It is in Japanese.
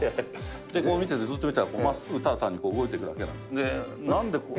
こう見て、ずっと見てたら、まっすぐにただ単に動いていくだけなんです。